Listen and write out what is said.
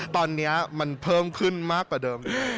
ตอนนี้มันเพิ่มขึ้นมากกว่าเดิม